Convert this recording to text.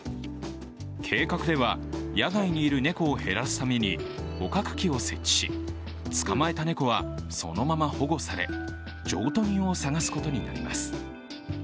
計画では、野外にいる猫を減らすために捕獲器設置し捕まえた猫はそのまま保護され譲渡人を探すことになります。